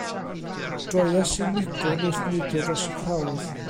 Droies i 'migwrn wrth neidio dros y clawdd.